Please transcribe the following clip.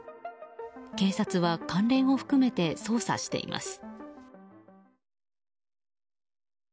警察は関連を含めて捜査しています。